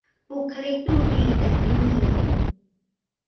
บุคลิกดูดี แต่ไม่มี